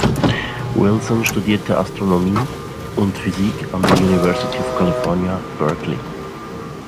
Wilson studierte Astronomie und Physik an der University of California, Berkeley.